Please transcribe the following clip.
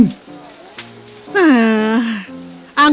hmm apa yang membuatmu sangat tidak senang